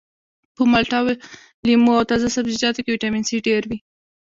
په مالټه لیمو او تازه سبزیجاتو کې ویټامین سي ډیر وي